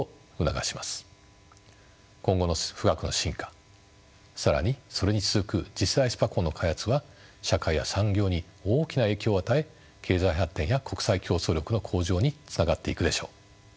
今後の富岳の進化更にそれに続く次世代スパコンの開発は社会や産業に大きな影響を与え経済発展や国際競争力の向上につながっていくでしょう。